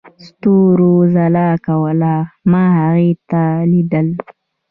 ستورو ځلا کوله، ما هغې ته ليدل.